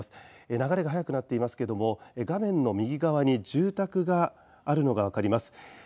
流れが速くなっていますが画面の右側に住宅があるのが分かります。